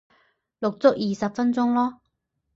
錄足二十分鐘咯